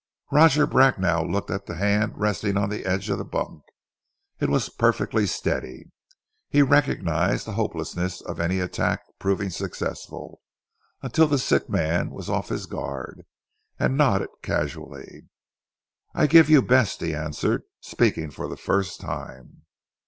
Roger Bracknell looked at the hand resting on the edge of the bunk. It was perfectly steady. He recognized the hopelessness of any attack proving successful, until the sick man was off his guard, and nodded casually. "I give you best," he answered, speaking for the first time.